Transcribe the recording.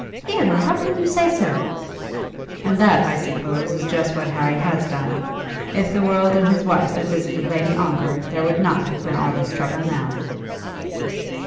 "Theodore, how can you say so?" "And that, I suppose, is just what Harry has done. If the world and his wife had visited Lady Ongar, there would not have been all this trouble now."